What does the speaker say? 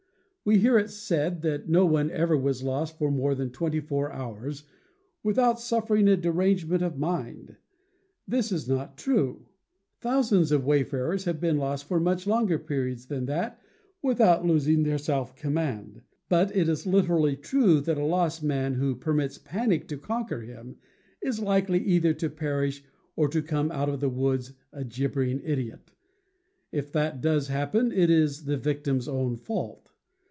We hear it said that no one ever was lost for more than twenty four hours without suffering a derangement of mind. This is not true; thousands of wayfarers have been lost for much longer periods than that without losing their self command. But it is literally true that a lost man who permits panic to conquer him is likely either to perish or to come out of the woods a gibbering idiot. If that does happen, it is the victim's own fault.